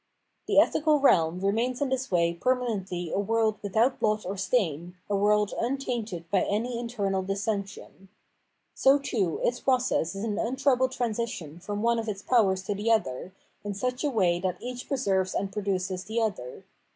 The ethical realm remains in this way permanently a world without blot or stain, a world tmtainted by any internal dissension. So, too, its process is an untroubled transition from one of its powers to the other, in such a way that each preserves and produces the other.